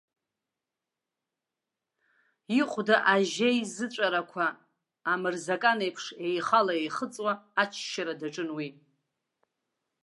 Ихәда ажьеизыҵәарақәа амырзакан еиԥш еихала-еихыҵуа аччара даҿын уи.